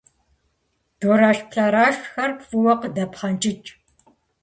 ДурэшплӀэрэшхэр фӏыуэ къыдэпхъэнкӏыкӏ.